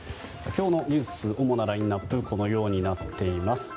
今日のニュース主なラインアップはこのようになっています。